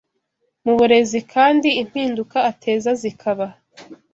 mu burezi kandi impinduka ateza zikaba